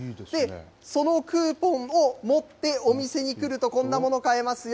そのクーポンを持ってお店に来ると、こんなもの買えますよ。